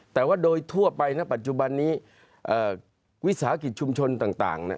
แต่ว่าโดยทั่วไปณปัจจุบันนี้วิสาหกิจชุมชนต่าง